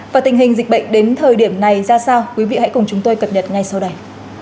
và tình hình dịch bệnh đến thời điểm này ra sao quý vị hãy cùng chúng tôi cập nhật ngay sau đây